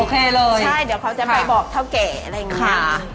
ใช่เดี๋ยวเขาจะไปบอกเท่าแก่อะไรอย่างนี้